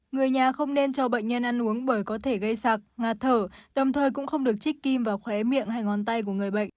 người nhà không nên cho bệnh nhân ăn uống bởi có thể gây sạc ngạt thở đồng thời cũng không được trích kim vào khói miệng hay ngón tay của người bệnh